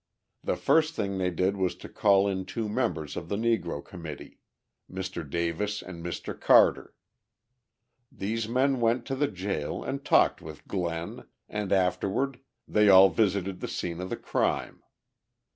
The first thing they did was to call in two members of the Negro committee, Mr. Davis and Mr. Carter. These men went to the jail and talked with Glenn, and afterward they all visited the scene of the crime.